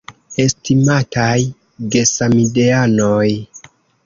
Estimataj gesamideanoj!